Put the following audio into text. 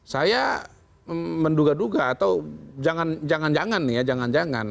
saya menduga duga atau jangan jangan nih ya